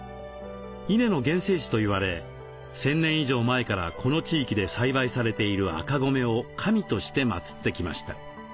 稲の原生種といわれ１，０００年以上前からこの地域で栽培されている赤米を神として祭ってきました。